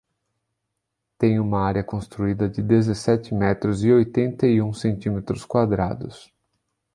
Tem uma área construída de dezessete metros e oitenta e um centímetros quadrados.